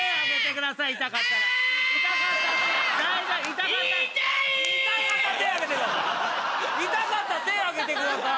痛かったら手上げてください。